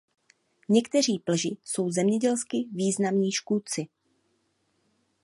Někteří plži jsou zemědělsky významní škůdci.